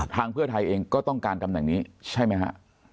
เพื่อไทยเองก็ต้องการตำแหน่งนี้ใช่ไหมฮะ